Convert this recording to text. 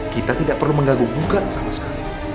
kita tidak perlu mengagumkan sama sekali